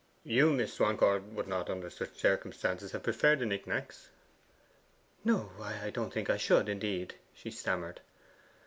'You, Miss Swancourt, would not, under such circumstances, have preferred the nicknacks?' 'No, I don't think I should, indeed,' she stammered.